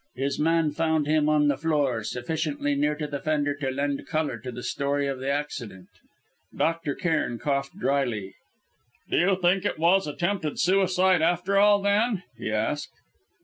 His man found him on the floor sufficiently near to the fender to lend colour to the story of the accident." Dr. Cairn coughed drily. "Do you think it was attempted suicide after all, then?" he asked.